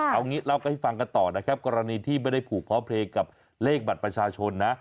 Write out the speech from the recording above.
เอางี้เล่าให้ฟังกันต่อนะครับกรณีที่ไม่ได้ผูกเพราะเพลงกับเลขบัตรประชาชนนะ